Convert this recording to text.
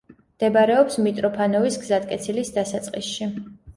მდებარეობს მიტროფანოვის გზატკეცილის დასაწყისში.